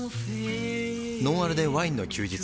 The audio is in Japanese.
「ノンアルでワインの休日」